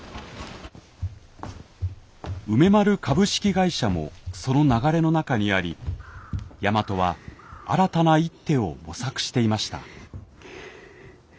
梅丸株式会社もその流れの中にあり大和は新たな一手を模索していました。